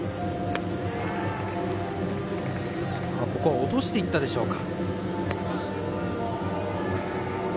落としていったでしょうか。